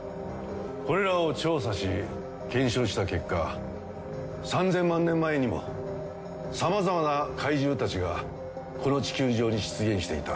これらを調査し検証した結果３，０００万年前にもさまざまな怪獣たちがこの地球上に出現していた。